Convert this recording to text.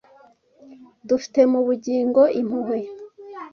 dufite mu bugingo impuhwe